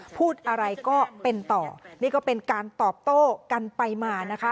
พูดอะไรก็เป็นต่อนี่ก็เป็นการตอบโต้กันไปมานะคะ